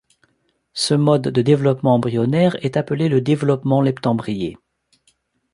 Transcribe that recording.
Ce mode de développement embryonnaire est appelé le développement leptembryé.